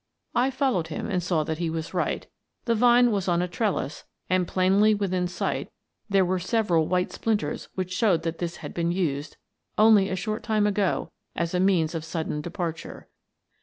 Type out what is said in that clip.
I followed him and saw that he was right The vine was on a trellis and, plainly within sight, there were several white splinters which showed that this had been used, only a short time ago, as a means of sudden departure.